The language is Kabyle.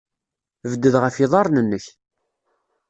Bded ɣef yiḍarren-nnek.